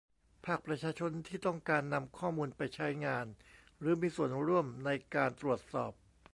ภาคประชาชนที่ต้องการนำข้อมูลไปใช้งานหรือมีส่วนร่วมในการตรวจสอบ